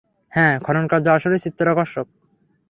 হ্যাঁ, খননকার্য আসলেই চিত্তাকর্ষক।